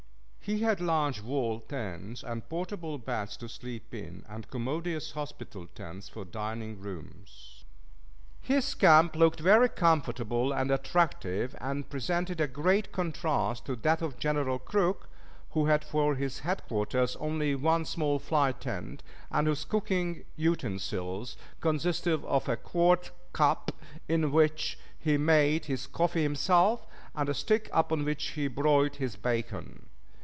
He had large wall tents and portable beds to sleep in, and commodious hospital tents for dining rooms. His camp looked very comfortable and attractive, and presented a great contrast to that of General Crook, who had for his headquarters only one small fly tent, and whose cooking utensils consisted of a quart cup in which he made his coffee himself and a stick upon which he broiled his bacon.